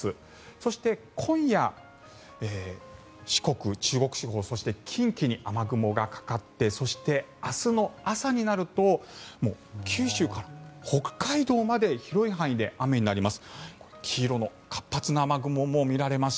そして、今夜四国、中国地方、そして近畿に雨雲がかかってそして、明日の朝になると九州から北海道まで広い範囲で雨になります。